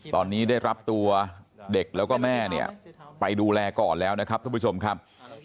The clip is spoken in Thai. ตอนนี้ได้รับตัวเด็กแล้วก็แม่เนี่ยไปดูแลก่อนแล้วนะครับทุกผู้ชมครับ